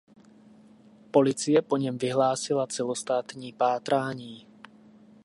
Policie po něm vyhlásila celostátní pátrání.